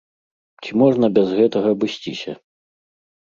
Ці можна без гэтага абысціся?